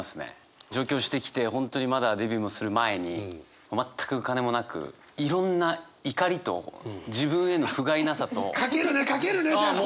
上京してきて本当にまだデビューもする前に全くお金もなくいろんな怒りと自分へのふがいなさと。書けるね書けるねじゃあこの気持ちは！